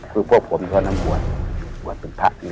คือพวกผมก็น้ำหวัดหวัดเป็นพระนี่แหละ